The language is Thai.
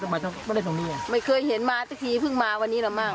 ไม่ได้ตรงนี้อ่ะไม่เคยเห็นมาเมื่อกี้เพิ่งมาวันนี้แหละมั่ง